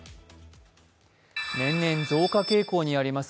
年々増加傾向にあります